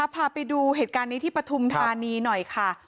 พาไปดูเหตุการณ์นี้ที่ปฐุมธานีหน่อยค่ะ